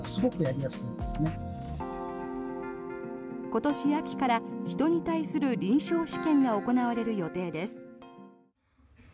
今年秋から人に対する臨床試験が行われる予定です。